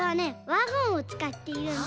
ワゴンをつかっているんだ。